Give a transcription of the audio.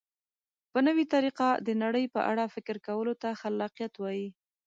په نوې طریقه د نړۍ په اړه فکر کولو ته خلاقیت وایي.